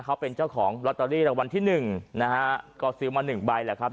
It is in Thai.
เขาเป็นเจ้าของลอตเตอรี่รางวัลที่หนึ่งนะฮะก็ซื้อมาหนึ่งใบแหละครับ